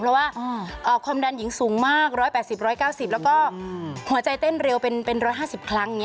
เพราะว่าความดันหญิงสูงมาก๑๘๐๑๙๐แล้วก็หัวใจเต้นเร็วเป็น๑๕๐ครั้ง